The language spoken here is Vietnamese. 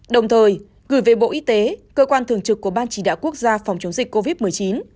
đồng thời gửi về bộ y tế cơ quan thường trực của ban chỉ đạo quốc gia phòng chống dịch covid một mươi chín